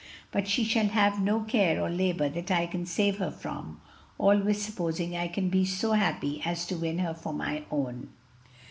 But she shall have no care or labor that I can save her from, always supposing I can be so happy as to win her for my own."